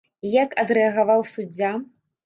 І як адрэагаваў суддзя?